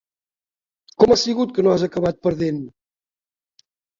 Com ha sigut que ho has acabat perdent?